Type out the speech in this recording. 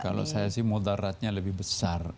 kalau saya sih mudaratnya lebih besar